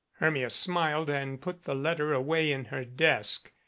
Hermia smiled and put the letter away in her desk.